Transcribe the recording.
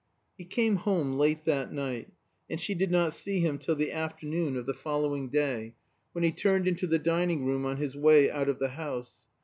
He came home late that night, and she did not see him till the afternoon of the following day, when he turned into the dining room on his way out of the house.